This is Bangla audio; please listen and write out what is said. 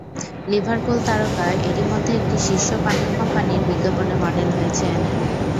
লিভারপুল তারকা এরই মধ্যে একটি শীর্ষ পানীয় কোম্পানির বিজ্ঞাপনে মডেল হয়েছেন।